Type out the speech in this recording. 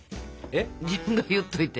自分が言っといて。